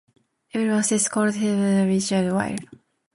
Everyone starts to call her "Limo Girl", which bothers Mary Jane after a while.